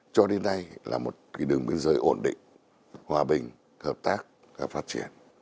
cho đến nay là một đường biên giới ổn định hòa bình hợp tác và phát triển